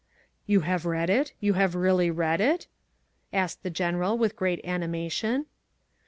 "You have read it? You have really read it?" asked the General with great animation.